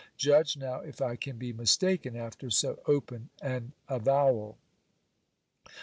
Judge now if I can be mistaken, after so open an avowal.